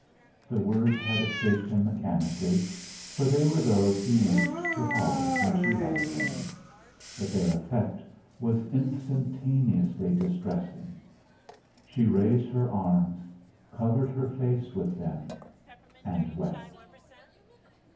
The words had escaped him mechanically, for they were those he used to Holly when she had a pain, but their effect was instantaneously distressing. She raised her arms, covered her face with them, and wept.